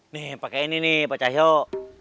nih pakai ini nih pak cahyok